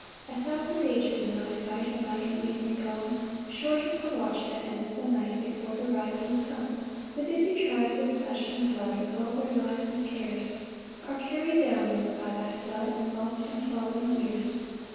5 A thousand ages in thy sight Are like an evening gone; Short as the watch that ends the night Before the rising sun. 6 [The busy tribes of flesh and blood, With all their lives and cares, Are carried downwards by thy flood, And lost in following years.